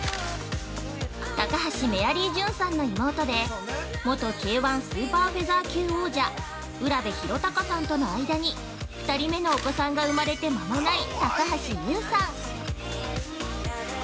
高橋メアリージュンさんの妹で元Ｋ−１スーパーフェザー級王者卜部弘嵩さんとの間に２人目のお子さんが生まれて間もない高橋ユウさん。